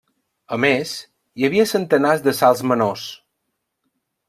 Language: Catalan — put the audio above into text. A més, hi havia centenars de salts menors.